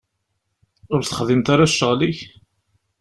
Ur texdimeḍ ara ccɣel-ik?